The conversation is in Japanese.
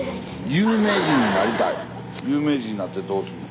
有名人になってどうすんの？